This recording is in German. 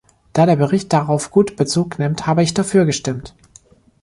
Da der Bericht darauf gut Bezug nimmt, habe ich dafür gestimmt.